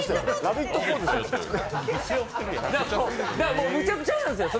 もうむちゃくちゃなんですよ。